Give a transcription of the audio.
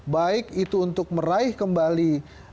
baik itu untuk meraih kembali